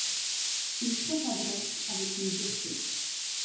Il traita Drake avec une dureté.